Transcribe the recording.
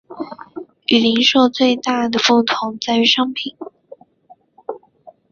与零售最大的不同在于商品。